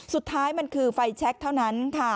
สุดท้ายมันคือไฟแชคเท่านั้นค่ะ